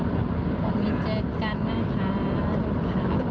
ลุงป้าไม่ทันรถเขา